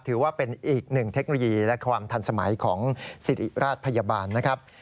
ถือว่าเป็นอีกหนึ่งเทคโนโลยีและความทันสมัยของสิริราชพยาบาลนะครับ